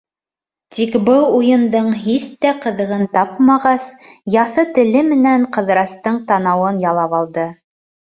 Тик был уйындың һис тә ҡыҙығын тапмағас, яҫы теле менән Ҡыҙырастың танауын ялап алды.